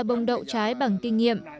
bông đậu trái bằng kinh nghiệm